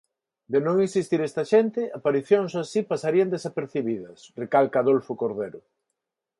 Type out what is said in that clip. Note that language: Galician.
De non existir esta xente, aparicións así pasarían desapercibidas, recalca Adolfo Cordero.